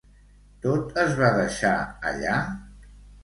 Tot es va deixar allà?